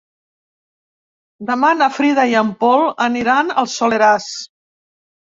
Demà na Frida i en Pol aniran al Soleràs.